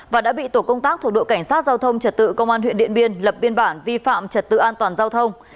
và đã bị tổ công tác thuộc đội cảnh sát giao thông trật tự công an huyện điện biên lập biên bản vi phạm trật tự an toàn giao thông